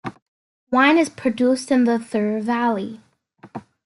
Wine is produced in the Thur valley.